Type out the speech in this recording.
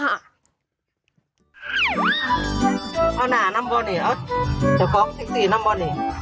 เอาหน่าน้ำบอดเนี่ยเอาเจ้าคอล์กซิกซีน้ำบอดเนี่ย